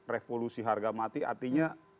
revolusi harga mati artinya